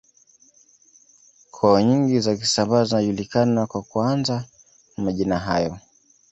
Koo nyingi za Kisambaa zinajulikana kwa kuanza na majina hayo